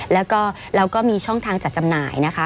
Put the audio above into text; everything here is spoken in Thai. แล้วก็เราก็มีช่องทางจัดจำหน่ายนะคะ